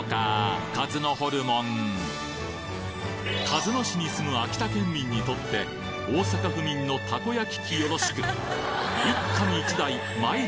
鹿角市に住む秋田県民にとって大阪府民のたこ焼き器よろしく一家に一台マイ